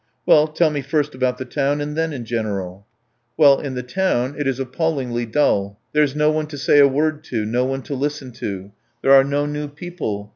"Well, tell me first about the town, and then in general." "Well, in the town it is appallingly dull. ... There's no one to say a word to, no one to listen to. There are no new people.